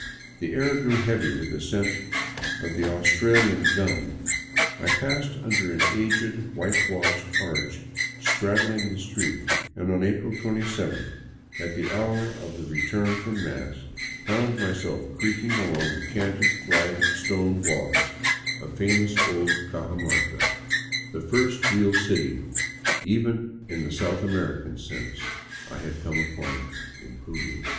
The air grew heavy with the scent of the " Aus tralian gum "; I passed under an aged, whitewashed arch straddling the street, and on April 27, at the hour of the return from mass, found myself creaking along the canted, flagstone sidewalks of famous old 262 APPROACHING INCA LAND Cajamarca, the first real city, even in the South American sense, I had come upon in Peru.